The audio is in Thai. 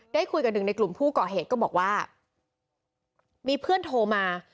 ได้คุยกับหนึ่งในกลุ่มผู้ก่อเหตุก็บอกว่ามีเพื่อนโทรมา